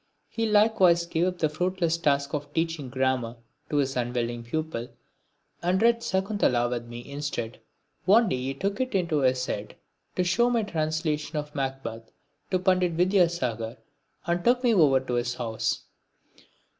He likewise gave up the fruitless task of teaching grammar to his unwilling pupil, and read Sakuntala with me instead. One day he took it into his head to show my translation of Macbeth to Pandit Vidyasagar and took me over to his house.